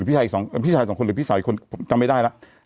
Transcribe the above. พี่ชายสองคนหรือพี่สาวอีกคนผมจำไม่ได้แล้ว